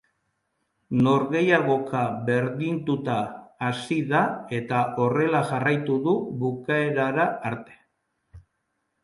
Norgehiagoka berdintuta hasi da, eta horrela jarraitu du bukaerara arte.